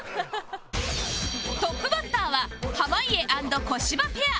トップバッターは濱家＆小芝ペア